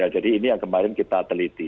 jadi ini yang kemarin kita teliti